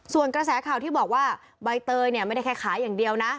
ส่วนกระแสข่าวที่บอกว่าใบเตยเนี่ยไม่ได้แค่ขายอย่างเดียวนะ